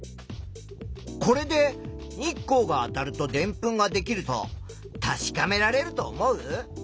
これで日光があたるとでんぷんができると確かめられると思う？